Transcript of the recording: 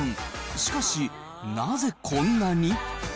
しかし、なぜこんなに？